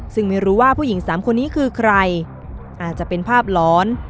ซึ่งไม่รู้ว่าผู้หญิงสามคนนี้คือใครอาจจะเป็นภาพร้อน